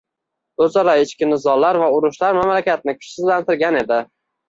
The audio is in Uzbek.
O’zaro ichki nizolar va urushlar mamlakatni kuchsizlantirgan edi.